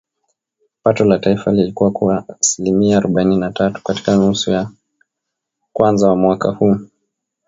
Pato la taifa lilikua kwa asilimia arobaini na tatu katika nusu ya kwanza ya mwaka huu